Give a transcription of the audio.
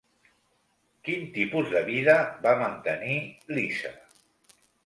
Quin tipus de vida va mantenir Lisa?